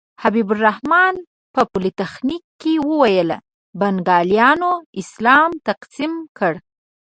حبیب الرحمن په پولتخنیک کې وویل بنګالیانو اسلام تقسیم کړ.